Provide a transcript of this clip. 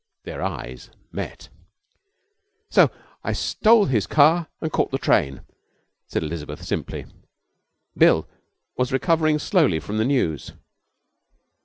Their eyes met. 'So I stole his car and caught the train,' said Elizabeth, simply. Bill was recovering slowly from the news.